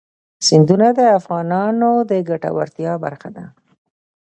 سیندونه د افغانانو د ګټورتیا برخه ده.